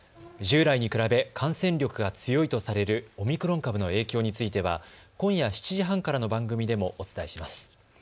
従来に比べ感染力が強いとされるオミクロン株の影響については今夜７時半からの番組でもお伝えします。